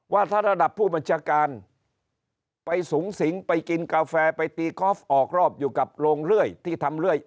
ว่าถ้าระดับผู้บัญชาการไปสูงสิงไปกินกาแฟไปตีกอล์ฟออกรอบอยู่กับโรงเรื่อยที่ทำเรื่อย